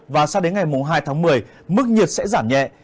và sang đến ngày hai tháng một mươi mức nhiệt sẽ giảm nhẹ